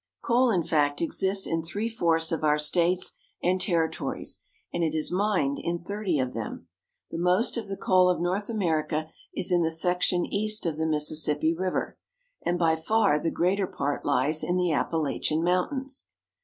Coal, in fact, exists in three fourths of our states and territories, and it is mined in thirty of them. The most of the coal of North America is in the section east of the Mississippi River, and by far the greater part lies in the Appalachian Mountains.